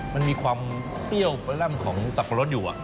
มันมีความเปรี้ยวแร่มของสับปะรดอยู่